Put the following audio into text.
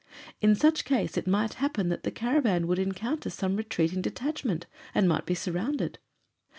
In such case it might happen that the caravan would encounter some retreating detachment and might be surrounded.